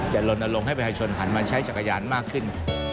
จะหล่นลงลงให้ประธรรมชนหันมาใช้จักรยานมากขึ้น